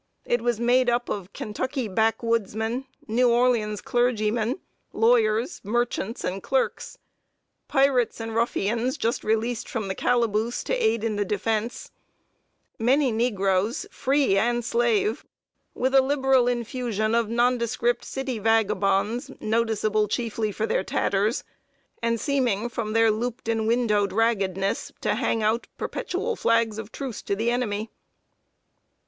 It was made up of Kentucky backwoodsmen, New Orleans clergymen, lawyers, merchants and clerks; pirates and ruffians just released from the calaboose to aid in the defense; many negroes, free and slave, with a liberal infusion of nondescript city vagabonds, noticeable chiefly for their tatters, and seeming, from their "looped and windowed raggedness," to hang out perpetual flags of truce to the enemy.